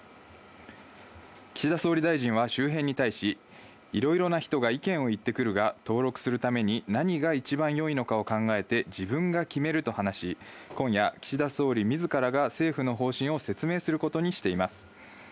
岸田総理大臣は周辺に対し、いろいろな人が意見を言ってくるが、登録するために何が一番良いのかを考えて自分が決めると話し、今夜、岸田総理自らが政府の方針を説明することにしています。